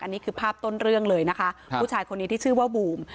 อันนี้คือภาพต้นเรื่องเลยนะคะผู้ชายคนนี้ที่ชื่อว่าบูม